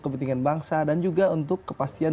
kepentingan bangsa dan juga untuk kepastian